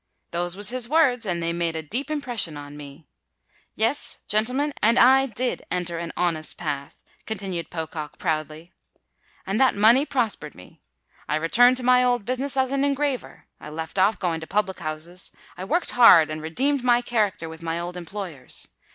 _'—Those was his words; and they made a deep impression on me. Yes—gentlemen, and I did enter an honest path," continued Pocock, proudly: "and that money prospered me. I returned to my old business as an engraver—I left off going to public houses—I worked hard, and redeemed my character with my old employers.